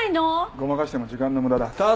ごまかしても時間の無駄だ。